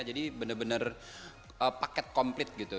jadi benar benar paket komplit gitu